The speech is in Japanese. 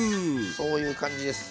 そういう感じです。